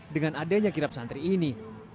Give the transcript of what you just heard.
dengan adanya kirap santri ini